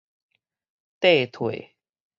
綴退